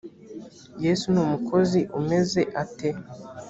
yesu ni umukozi umeze ate